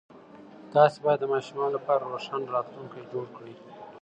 تاسې باید د ماشومانو لپاره روښانه راتلونکی جوړ کړئ.